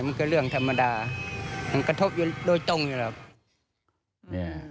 มันก็เรื่องธรรมดามันกระทบอยู่โดยตรงอยู่แล้ว